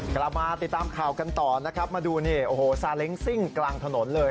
กลับมาติดตามข่าวกันต่อนะครับมาดูนี่โอ้โหซาเล้งซิ่งกลางถนนเลย